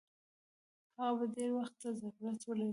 هغه به ډېر وخت ته ضرورت ولري.